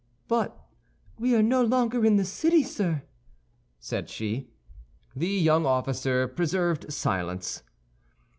"But we are no longer in the city, sir," said she. The young officer preserved silence.